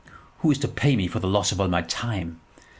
"Who is to pay me for the loss of all my time?